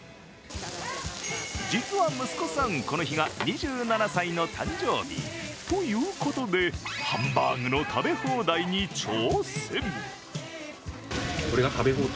実は息子さん、この日が２７歳の誕生日。ということでハンバーグの食べ放題に挑戦。